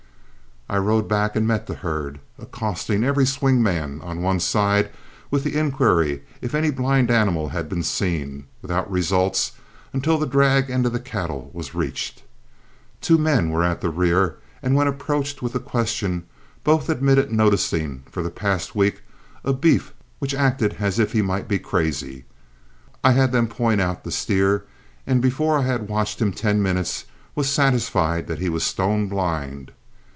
I rode back and met the herd, accosting every swing man on one side with the inquiry if any blind animal had been seen, without results until the drag end of the cattle was reached. Two men were at the rear, and when approached with the question, both admitted noticing, for the past week, a beef which acted as if he might be crazy. I had them point out the steer, and before I had watched him ten minutes was satisfied that he was stone blind.